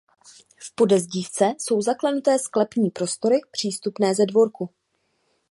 V podezdívce jsou zaklenuté sklepní prostory přístupné ze dvorku.